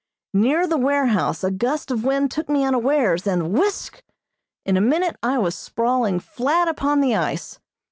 Near the warehouse a gust of wind took me unawares, and, whisk! in a minute I was sprawling flat upon the ice.